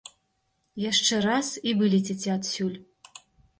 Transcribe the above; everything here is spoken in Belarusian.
Яшчэ раз, і вылеціце адсюль!